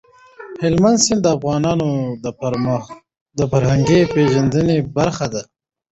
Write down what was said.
هلمند سیند د افغانانو د فرهنګي پیژندنې برخه ده.